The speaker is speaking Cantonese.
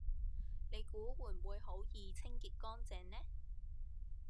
你估會唔會好易清潔乾淨呢